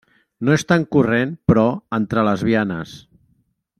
No és tan corrent, però, entre lesbianes.